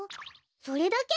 それだけ？